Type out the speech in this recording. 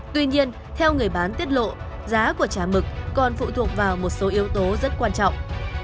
tuy nhiên theo người bán tiết lộ giá của chả mực còn phụ thuộc vào một số yếu tố rất quan trọng